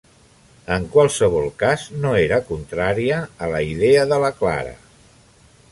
En qualsevol cas, no era contrària a la idea de la Clara.